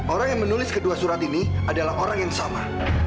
orang yang menulis kedua surat ini adalah orang yang sama